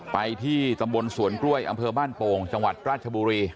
ไปที่ตำบลสวนกล้วยอำเภอบ้านโป่งจังหวัดราชบุรี